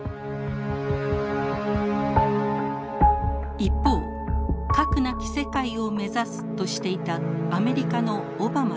一方核なき世界を目指すとしていたアメリカのオバマ大統領。